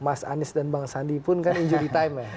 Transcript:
mas anies dan bang sandi pun kan injury time ya